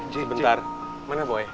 sebentar mana boy